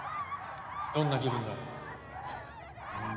どんな気分だ？